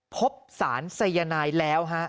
พบสารสายนายแล้วฮะ